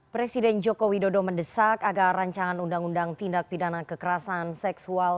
presiden joko widodo mendesak agar rancangan undang undang tindak pidana kekerasan seksual